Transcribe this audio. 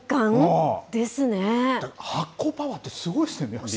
発酵パワーってすごいですよ